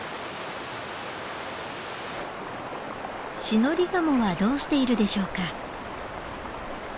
シノリガモはどうしているでしょうか？